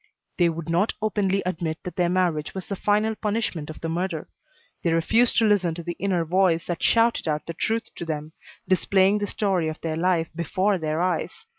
They would not openly admit that their marriage was the final punishment of the murder; they refused to listen to the inner voice that shouted out the truth to them, displaying the story of their life before their eyes.